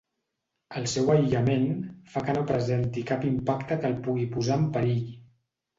El seu aïllament fa que no presenti cap impacte que el pugui posar en perill.